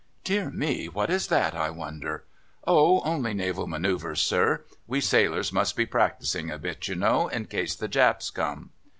"Dear me! what is that, I wonder?" "Oh! only naval manœuvres, sir. We sailors must be practising a bit, you know, in case the Japs come."